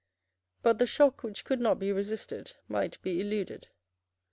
But the shock which could not be resisted might be eluded.